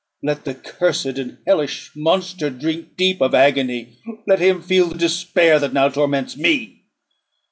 Let the cursed and hellish monster drink deep of agony; let him feel the despair that now torments me."